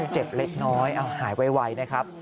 เจ็บเล็กน้อยเอาหายไวนะครับ